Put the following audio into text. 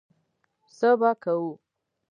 څه به کوو.